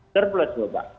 surplus apa pak